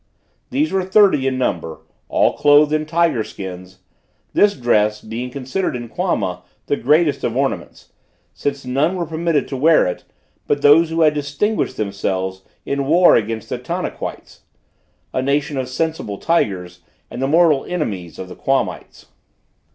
These were thirty in number, all clothed in tiger skins, this dress being considered in Quama the greatest of ornaments, since none were permitted to wear it, but those who had distinguished themselves in war against the Tanaquites, a nation of sensible tigers, and the mortal enemies of the Quamites.